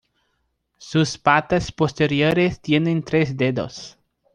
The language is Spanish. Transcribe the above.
Sus patas posteriores tienen tres dedos.